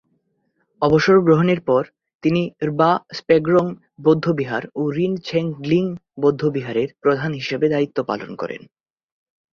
অবসর গ্রহণের পর তিনি র্বা-স্গ্রেং বৌদ্ধবিহার ও রিন-ছেন-গ্লিং বৌদ্ধবিহারের প্রধান হিসেবে দায়িত্ব পালন করেন।